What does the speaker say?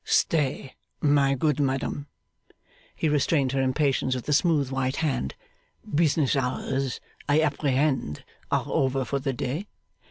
'Stay, my good madam!' He restrained her impatience with a smooth white hand. 'Business hours, I apprehend, are over for the day?